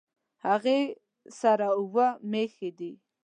هغې سره اووه مېښې دي